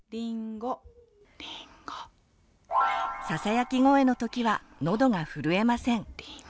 ささやき声のときはのどが震えません。